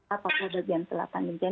apapun bagian selatan